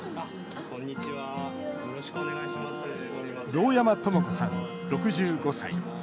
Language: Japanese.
堂山智子さん、６５歳。